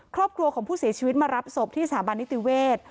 ครอบครัวของผู้เสียชีวิตมารับศพที่สถาบันนิติเวศ